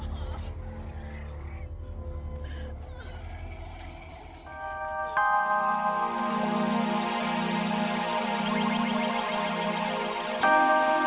dok kasih ya dok pak jalan